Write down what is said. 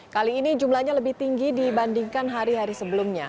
kali ini jumlahnya lebih tinggi dibandingkan hari hari sebelumnya